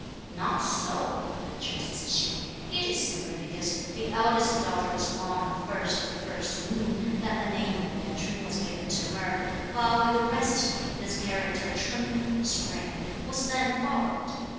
"Not so!" ventured Tzu h'sing. "It is simply because the eldest daughter was born on the first of the first moon, that the name of Yuan Ch'un was given to her; while with the rest this character Ch'un (spring) was then followed.